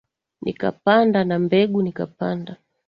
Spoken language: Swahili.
Nikapanda, na mbegu nikapanda.